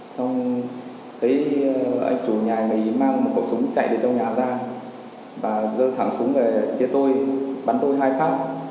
xong thấy anh chủ nhà nghỉ mang một cục súng chạy ra trong nhà ra và dơ thẳng súng kia tôi bắn tôi hai phát